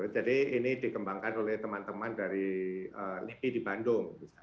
jadi ini dikembangkan oleh teman teman dari limpi di bandung